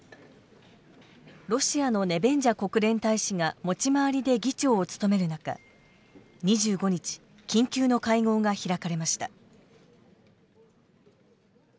ロシアのネベンジャ国連大使が持ち回りで議長を務める中２５日緊急の会合が開かれました。